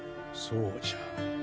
そうじゃ。